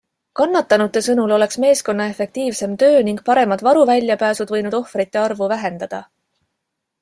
Kannatanute sõnul oleks meeskonna efektiivsem töö ning paremad varuväljapääsud võinud ohvrite arvu vähendada.